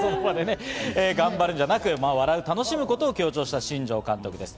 頑張るじゃなく、笑う、楽しむことを強調した新庄監督です。